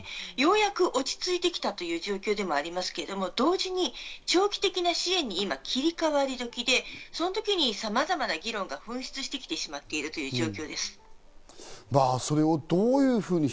ようやく落ち着いてきたという状況でもありますけど、同時に長期的な支援に今、切り替わる時でさまざまな議論が噴出してきてしまっているという状況です。